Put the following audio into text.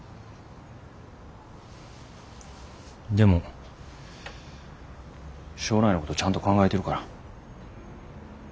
でも将来のことちゃんと考えてるから。